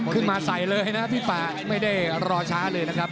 ขึ้นมาใส่เลยนะพี่ป่าไม่ได้รอช้าเลยนะครับ